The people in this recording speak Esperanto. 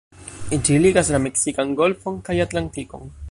Ĝi ligas la Meksikan Golfon kaj Atlantikon.